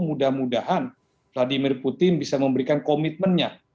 mudah mudahan vladimir putin bisa memberikan komitmennya